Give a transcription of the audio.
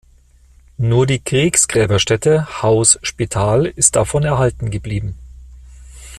Nur die Kriegsgräberstätte Haus Spital ist davon erhalten geblieben.